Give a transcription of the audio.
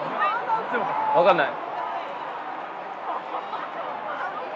分かんない。